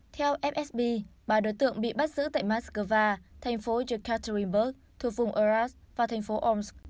theo fsb ba đối tượng bị bắt giữ tại moscow thành phố yekaterinburg thuộc vùng ural và thành phố omsk